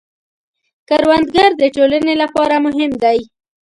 کروندګر د ټولنې لپاره مهم دی